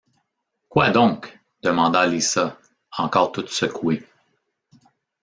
Quoi donc? demanda Lisa encore toute secouée.